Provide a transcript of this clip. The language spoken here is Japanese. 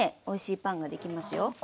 おいしいパンができますよ。